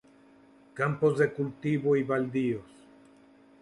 Campos de cultivo y baldíos.